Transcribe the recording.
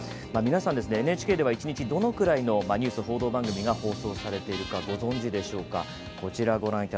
皆さん、ＮＨＫでは１日どのぐらいのニュース報道番組が放送されているかご存じでしょうか。